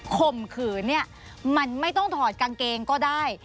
ข่มขืนเนี่ยมันไม่ต้องถอดกางเกงก็ได้